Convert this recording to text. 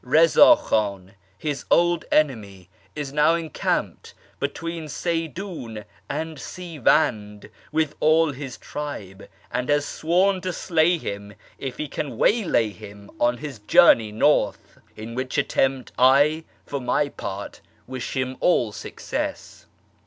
Eiza Khan, his old enemy, is now encamped between Seydun and Sivand with all his tribe, and has sworn to slay him if he can waylay him on his journey north ; in which attempt I, for my part, wish him all success.